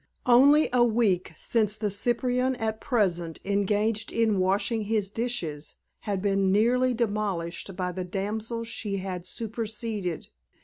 Only a week since the cyprian at present engaged in washing his dishes had been nearly demolished by the damsel she had superseded.